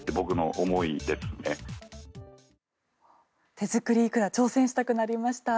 手作りイクラ挑戦したくなりました。